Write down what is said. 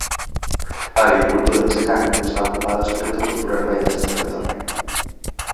A agricultura de secaño está ocupada sobre todo por ervellas de Ceratonia.